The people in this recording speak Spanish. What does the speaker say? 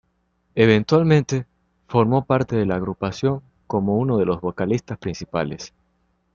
Eventualmente, formó parte de la agrupación como uno de los vocalistas principales.